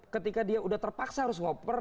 ketika dia sudah terpaksa harus ngoper